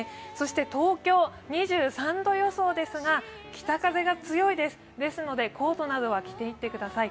東京２３度予想ですが、北風が強いですので、コートなどは着ていってください。